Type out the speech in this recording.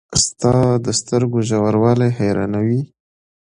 • ستا د سترګو ژوروالی حیرانوي.